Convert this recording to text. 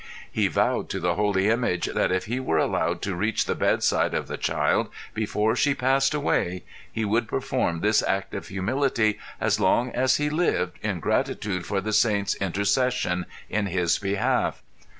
He vowed to the Holy Image that if he were allowed to reach the bedside of the child before she passed away he would perform this act of humility as long as he lived in gratitude for the saint's intercession in his behalf.